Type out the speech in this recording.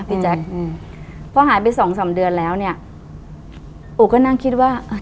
พี่แจ๊คอืมพอหายไปสองสามเดือนแล้วเนี้ยปู่ก็นั่งคิดว่าอ่ะ